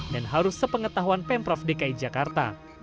dan harus sepengetahuan pemprov dki jakarta